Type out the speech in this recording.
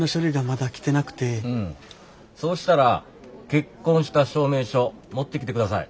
うんそうしたら結婚した証明書持ってきてください。